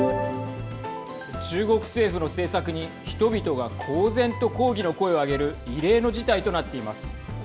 中国政府の政策に人々が公然と抗議の声を上げる異例の事態となっています。